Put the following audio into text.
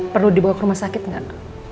perlu dibawa ke rumah sakit nggak